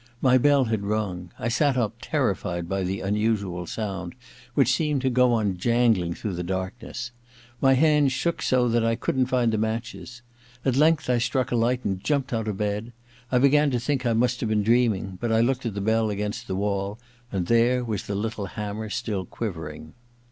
My bell had rung. I sat up, terrified by the unusual sound, which seemed to go on jangling through the darkness. My hands shook so that I couldn't find the matches. At length I struck a light and jumped out of bed. I began to think I must have been dream ing ; but I looked at the bell against the wall, and there was the little hammer still quivering.